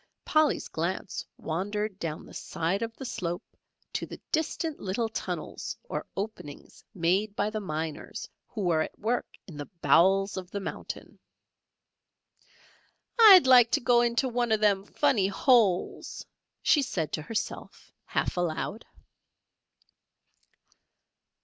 Polly's glance wandered down the side of the slope to the distant little tunnels or openings made by the miners who were at work in the bowels of the mountain. "I'd like to go into one of them funny holes," she said to herself, half aloud.